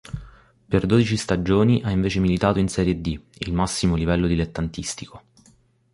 Per dodici stagioni ha invece militato in Serie D, il massimo livello dilettantistico.